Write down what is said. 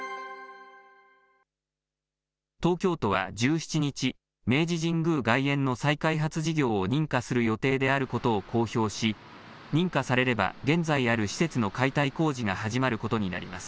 東京都は１７日、明治神宮外苑の再開発事業を認可する予定であることを公表し、認可されれば現在ある施設の解体工事が始まることになります。